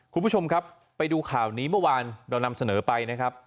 คุณผู้ชมครับไปดูข่าวนี้เมื่อวานเรานำเสนอไปนะครับ